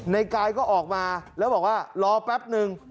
ในกายก็ออกมาแล้วบอกว่ารอแป๊บนึง